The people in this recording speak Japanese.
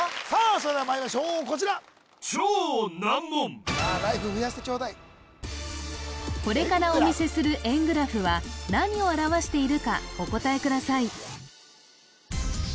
それではまいりましょうこちらライフ増やしてちょうだいこれからお見せする円グラフは何を表しているかお答えください